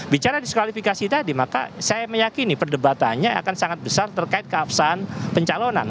bicara diskualifikasi tadi maka saya meyakini perdebatannya akan sangat besar terkait keabsahan pencalonan